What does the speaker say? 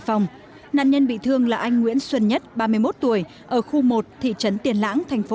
hải phòng nạn nhân bị thương là anh nguyễn xuân nhất ba mươi một tuổi ở khu một thị trấn tiền lãng thành phố